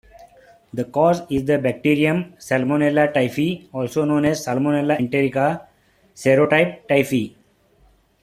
The cause is the bacterium "Salmonella" Typhi, also known as "Salmonella enterica" serotype Typhi.